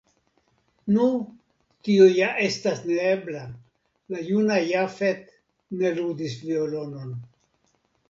Nu, tio ja estas neebla; la juna Jafet ne ludis violonon.